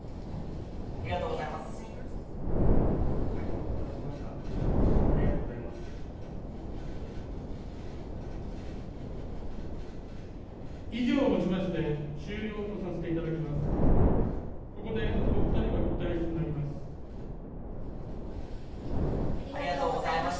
以上をもちまして終了とさせていただきます。